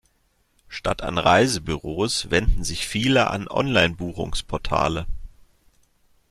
Statt an Reisebüros wenden sich viele an Online-Buchungsportale.